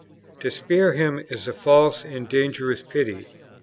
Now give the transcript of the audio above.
To spare him is a false and dangerous pity.